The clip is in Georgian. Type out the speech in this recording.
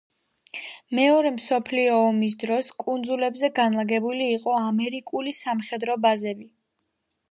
მეორე მსოფლიო ომის დროს კუნძულებზე განლაგებული იყო ამერიკული სამხედრო ბაზები.